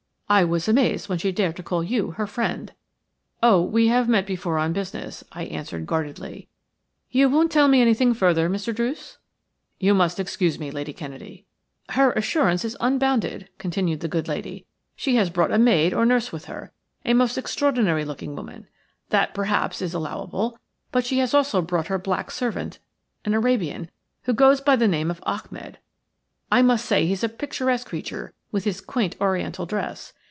I was amazed when she dared to call you her friend." "Oh, we have met before on business," I answered, guardedly. "You won't tell me anything further, Mr. Druce?" "You must excuse me, Lady Kennedy." "Her assurance is unbounded," continued the good lady. "She has brought a maid or nurse with her – a most extraordinary looking woman. That, perhaps, is allowable; but she has also brought her black servant, an Arabian, who goes by the name of Achmed. I must say he is a picturesque creature with his quaint Oriental dress.